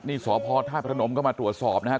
นี่สพธาตุพนมก็มาตรวจสอบนะครับ